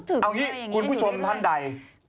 เอางี้คุณผู้ชมท่านใด